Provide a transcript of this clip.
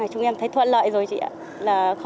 chúng em thấy thuận lợi rồi chị ạ